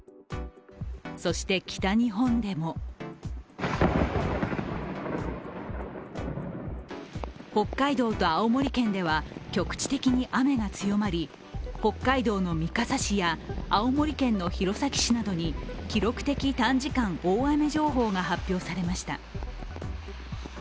そして北日本でも北海道と青森県では局地的に雨が強まり北海道の三笠市や青森県の弘前市などに、記録的短時間大雨情報が発表されました。